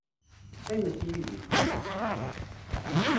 Qqimet yid-i.